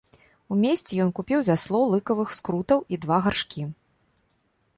У месце ён купіў вясло лыкавых скруткаў і два гаршкі.